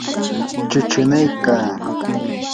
chuchunaykaa.